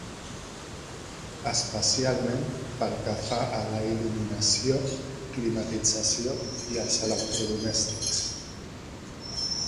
Especialment pel que fa a la il·luminació, climatització i els electrodomèstics.